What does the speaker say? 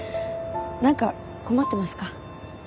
なんか困ってますか？